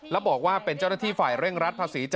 แล้วบอกว่าเป็นเจ้าหน้าที่ฝ่ายเร่งรัดภาษี